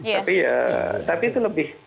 tapi ya tapi itu lebih